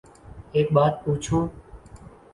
ایک بات پو چوں